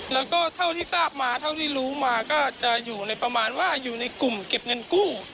แล้วก็เท่าที่ทราบมาเท่าที่รู้มาก็จะอยู่ในประมาณว่าอยู่ในกลุ่มเก็บเงินกู้